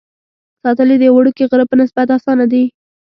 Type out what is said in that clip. ساتل یې د یوه وړوکي غره په نسبت اسانه دي.